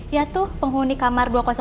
ya tuh penghuni kamar dua ratus lima